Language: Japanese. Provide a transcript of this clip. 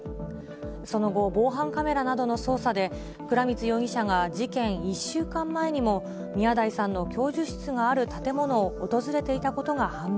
その後、防犯カメラなどの捜査で、倉光容疑者が事件１週間前にも、宮台さんの教授室がある建物を訪れていたことが判明。